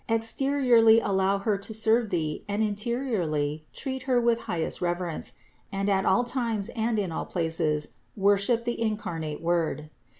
Exteriorly allow Her to THE INCARNATION 345 serve thee and interiorly treat Her with highest rever ence, and at all times and in all places worship the in carnate Word.